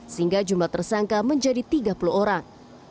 sehingga jumlah tersangka menjadi tiga puluh orang